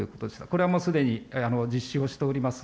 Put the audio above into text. これはもうすでに実施をしております。